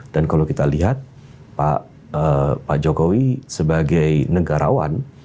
dan kalau kita lihat pak jokowi sebagai negarawan